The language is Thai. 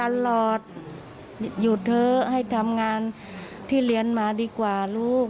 ตลอดหยุดเถอะให้ทำงานที่เรียนมาดีกว่าลูก